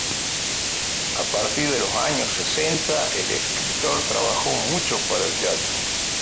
A partir de los años sesenta el escritor trabajó mucho para el teatro.